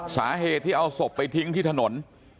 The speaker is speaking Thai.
สาเหตุที่เอาศพไปทิ้งที่ถนน